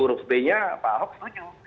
huruf b nya pak ahok setuju